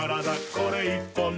これ１本で」